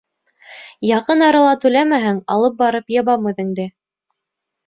Яҡын арала түләмәһәң, алып барып ябам үҙеңде.